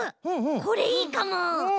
これいいかも。